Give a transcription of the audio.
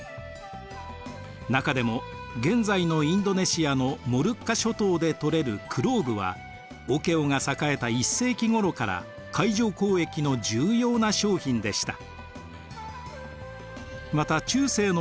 中でも現在のインドネシアのモルッカ諸島で採れるクローブはオケオが栄えた１世紀ごろから海上交易の重要な商品でした。